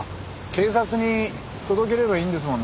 警察に届ければいいんですもんね。